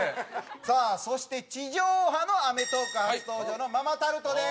さあそして地上波の『アメトーーク』初登場のママタルトです。